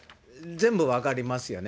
全部分かりますよね。